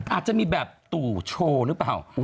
อาจจะมีแบบตู่โชว์หรือเปล่า